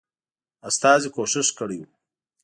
استازي کوښښ کړی وو.